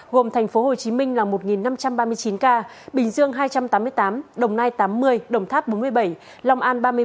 gồm thành phố hồ chí minh là một năm trăm ba mươi chín ca bình dương hai trăm tám mươi tám đồng nai tám mươi đồng tháp bốn mươi bảy lòng an ba mươi bảy